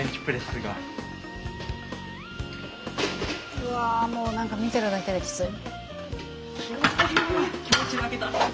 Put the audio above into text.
うわもう何か見てるだけできつい。